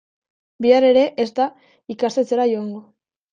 Bihar ere ez da ikastetxera joango.